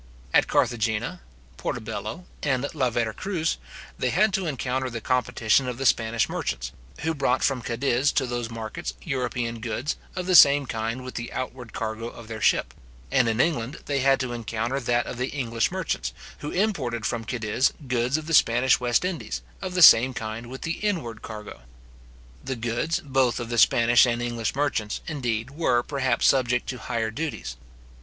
At Carthagena, Porto Bello, and La Vera Cruz, they had to encounter the competition of the Spanish merchants, who brought from Cadiz to those markets European goods, of the same kind with the outward cargo of their ship; and in England they had to encounter that of the English merchants, who imported from Cadiz goods of the Spanish West Indies, of the same kind with the inward cargo. The goods, both of the Spanish and English merchants, indeed, were, perhaps, subject to higher duties.